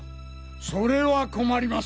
それは困ります！